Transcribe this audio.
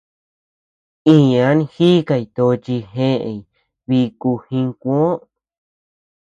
Iñan jíkay tochi jeʼeñ bíku jinguö.